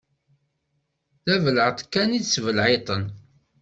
D abelεeṭ kan i ttbelεiṭen.